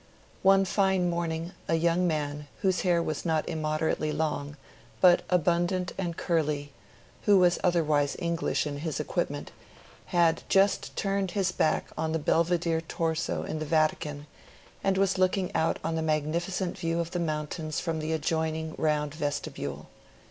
One fine morning a young man whose hair was not immoderately long, but abundant and curly, and who was otherwise English in his equipment, had just turned his back on the Belvedere Torso in the Vatican and was looking out on the magnificent view of the mountains from the adjoining round vestibule.